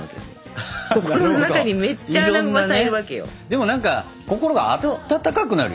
でも何か心が温かくなるよね。